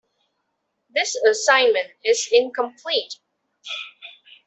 This assignment is incomplete.